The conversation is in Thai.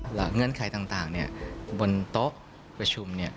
เงื่อนไขต่างบนโต๊ะประชุม